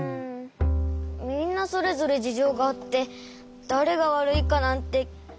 みんなそれぞれじじょうがあってだれがわるいかなんてきめらんない！